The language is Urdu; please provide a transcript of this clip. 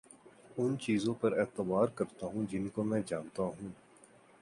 ان چیزوں پر اعتبار کرتا ہوں جن کو میں جانتا ہوں